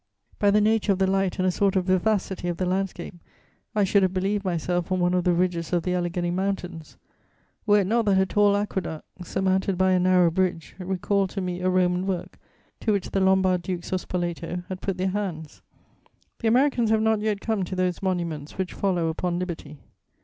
"By the nature of the light and a sort of vivacity of the landscape, I should have believed myself on one of the ridges of the Alleghany Mountains, were it not that a tall aqueduct, surmounted by a narrow bridge, recalled to me a Roman work to which the Lombard Dukes of Spoleto had put their hands: the Americans have not yet come to those monuments which follow upon liberty.